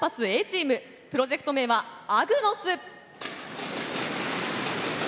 Ａチームプロジェクト名は「アグノス」。